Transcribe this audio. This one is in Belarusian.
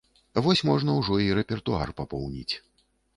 Вось можна ўжо і рэпертуар папоўніць.